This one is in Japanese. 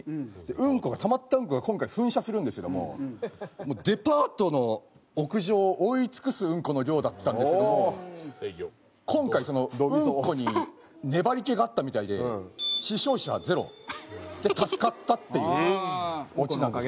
うんこがたまったうんこが今回噴射するんですけどもデパートの屋上を覆い尽くすうんこの量だったんですけども今回うんこに粘り気があったみたいで「死傷者は０」で助かったっていうオチなんです。